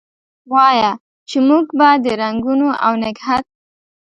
وایه! چې موږ به د رنګونو اونګهت،